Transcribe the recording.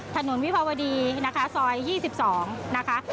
ถนนวิภาวดีซอย๒๒นะคะ